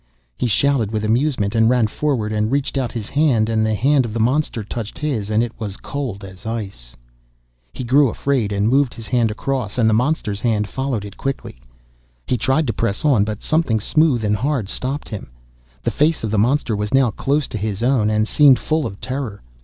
He shouted with amusement, and ran forward, and reached out his hand, and the hand of the monster touched his, and it was as cold as ice. He grew afraid, and moved his hand across, and the monster's hand followed it quickly. He tried to press on, but something smooth and hard stopped him. The face of the monster was now close to his own, and seemed full of terror.